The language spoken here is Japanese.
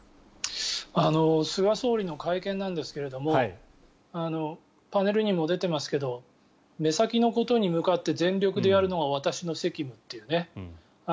菅総理の会見ですがパネルにも出ていますが目先のことに向かって全力でやるのが私の責務っていうね。